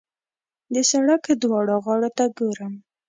د سړک دواړو غاړو ته ګورم.